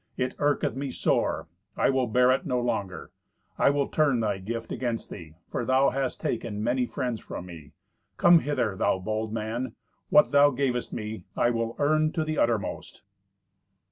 It irketh me sore; I will bear it no longer. I will turn thy gift against thee, for thou hast taken many friends from me. Come hither, thou bold man. What thou gavest me I will earn to the uttermost."